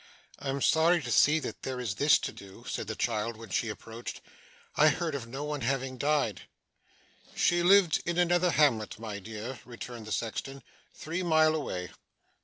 'I'm sorry to see there is this to do,' said the child when she approached. 'I heard of no one having died.' 'She lived in another hamlet, my dear,' returned the sexton. 'Three mile away.